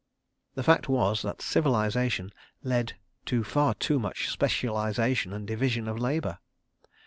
... The fact was that Civilisation led to far too much specialisation and division of labour.